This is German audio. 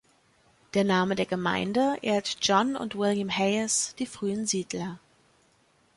Der Name der Gemeinde ehrt John und William Hayes, die frühen Siedler.